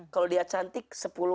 kalau dia cantik sepuluh